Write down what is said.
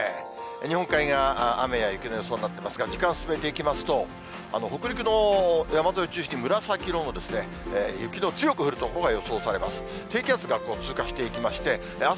日本海側、雨や雪の予想になってますが、時間進めていきますと、北陸の山沿いを中心に紫色の雪の強く降る所が予想されます。